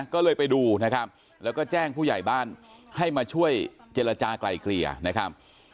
ก็เลยไปดูนะครับแล้วก็แจ้งผู้ใหญ่บ้านให้มาช่วยเจรจากลายเกลี่ยนะครับ